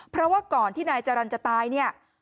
เพราะว่าก่อนที่นายจรรพูดจะตาย